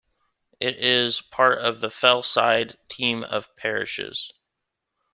It is part of the Fellside Team of parishes.